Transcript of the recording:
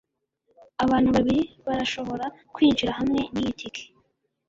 abantu babiri barashobora kwinjira hamwe niyi tike